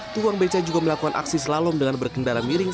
tukang beca juga melakukan aksi slalom dengan berkendara miring